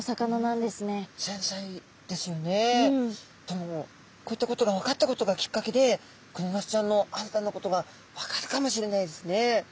でもこういったことが分かったことがきっかけでクニマスちゃんの新たなことが分かるかもしれないですね。